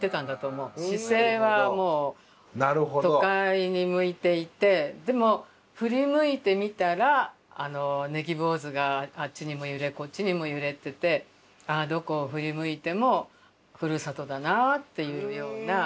視線はもう都会に向いていてでも振り向いてみたら葱坊主があっちにも揺れこっちにも揺れててああどこを振り向いてもふるさとだなっていうような。